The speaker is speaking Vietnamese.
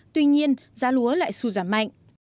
tuy nhiên giá lúa lại sụt giảm mạnh